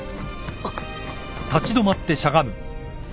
あっ。